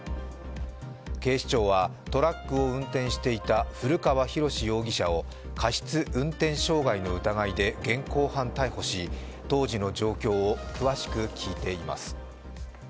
警視庁はトラックを運転していた古川浩容疑者を過失運転傷害の疑いで現行犯逮捕し当時の状況を詳しく聞いています。